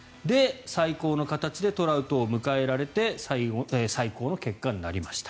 最高の形でトラウトを迎えられて最高の結果になりました。